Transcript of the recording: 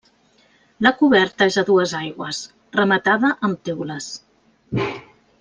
La coberta és a dues aigües, rematada amb teules.